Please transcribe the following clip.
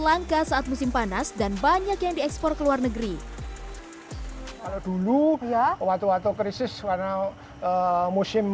langka saat musim panas dan banyak yang diekspor ke luar negeri kalau dulu ya waktu waktu krisis warna musim